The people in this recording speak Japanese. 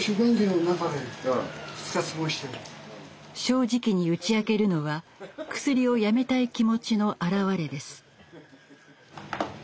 正直に打ち明けるのはクスリをやめたい気持ちの表れです。